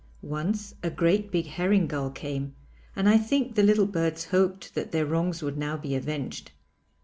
Once a great big herring gull came and I think the little birds hoped that their wrongs would now be avenged.